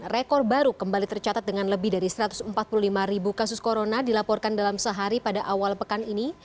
rekor baru kembali tercatat dengan lebih dari satu ratus empat puluh lima ribu kasus corona dilaporkan dalam sehari pada awal pekan ini